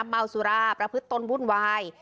เมาสุราบระพึทตนบุญวาย